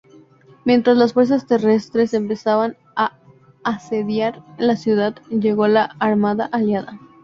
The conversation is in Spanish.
Mientras las fuerzas terrestres empezaban a asediar la ciudad, llegó la armada aliada.